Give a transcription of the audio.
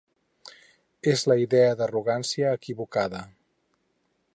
És la idea d'arrogància equivocada.